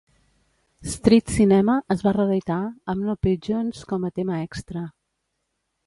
"Street Cinema" es va reeditar amb "No Pigeons" com a tema extra.